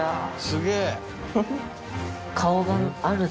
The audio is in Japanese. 「すげえ！」